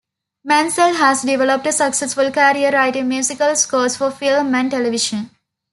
Mancell has developed a successful career writing musical scores for film and television.